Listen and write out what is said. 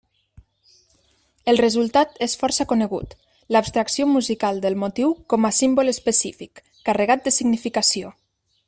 El resultat és força conegut: l'abstracció musical del motiu com a símbol específic, carregat de significació.